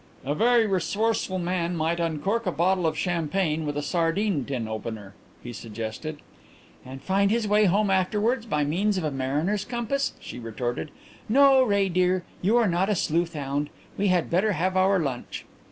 "A very resourceful man might uncork a bottle of champagne with a sardine tin opener," he suggested. "And find his way home afterwards by means of a mariner's compass?" she retorted. "No, Roy dear, you are not a sleuth hound. We had better have our lunch."